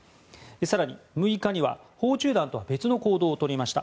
更に、６日には訪中団とは別の行動をとりました。